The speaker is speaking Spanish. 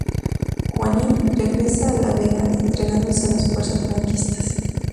Juanín regresa a La Vega entregándose a las fuerzas franquistas.